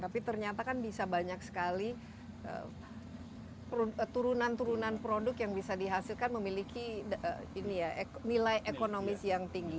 tapi ternyata kan bisa banyak sekali turunan turunan produk yang bisa dihasilkan memiliki nilai ekonomis yang tinggi